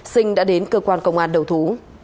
sinh đã đến cơ quan công an đầu thú